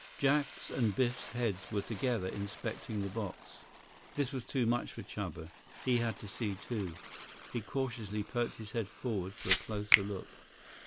Jack's and Biff's heads were together inspecting the box. This was too much for Chuba. He had to see, too. He cautiously poked his head forward for a closer look.